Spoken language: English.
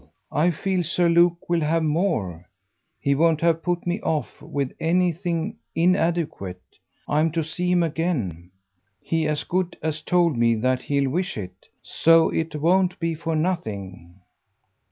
I feel Sir Luke will have more; he won't have put me off with anything inadequate. I'm to see him again; he as good as told me that he'll wish it. So it won't be for nothing."